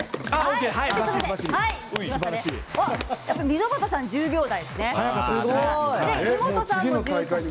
溝端さん１０秒台ですね。